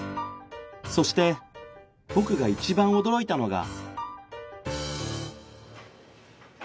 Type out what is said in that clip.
そして僕が一番驚いたのが